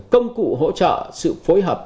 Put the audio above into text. công cụ hỗ trợ sự phối hợp